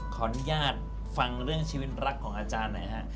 ขออนุญาตฟังเรื่องชีวิตรักของอาจารย์หน่อยฮะ